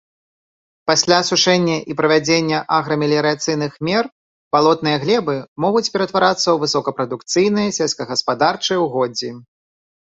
Пасля асушэння і правядзення аграмеліярацыйных мер балотныя глебы могуць ператварацца ў высокапрадукцыйныя сельскагаспадарчыя ўгоддзі.